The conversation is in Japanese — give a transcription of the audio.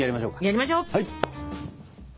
やりましょう！